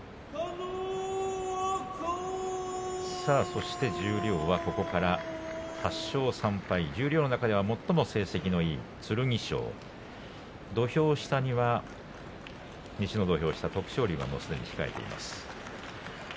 そして十両はここから８勝３敗、十両の中では最も成績のいい剣翔土俵下には西の土俵下に徳勝龍がすでに控えています。